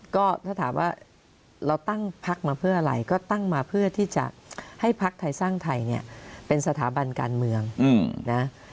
ก็ถ้าถามว่าเราตั้งพักมาเพื่ออะไรก็ตั้งมาเพื่อที่จะให้พักไทยสร้างไทยเนี่ยเป็นสถาบันการเมืองนะ